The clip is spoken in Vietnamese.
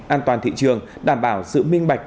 an toàn thị trường đảm bảo sự minh bạch